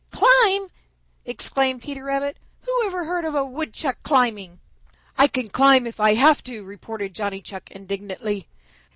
"Climb!" exclaimed Peter Rabbit. "Who ever heard of a Woodchuck climbing?" "I can climb if I have to," retorted Johnny Chuck indignantly.